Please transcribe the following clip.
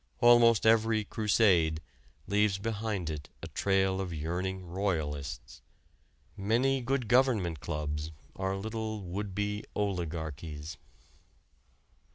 Almost every "crusade" leaves behind it a trail of yearning royalists; many "good government" clubs are little would be oligarchies.